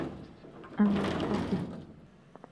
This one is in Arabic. أنا خائف.